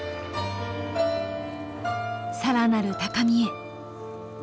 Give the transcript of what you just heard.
更なる高みへ。